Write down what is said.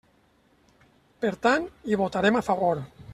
Per tant, hi votarem a favor.